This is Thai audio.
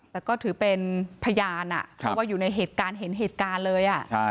แต่ก็ถือเป็นพยานเพราะว่าอยู่ในเหตุการณ์เห็นเหตุการณ์เลย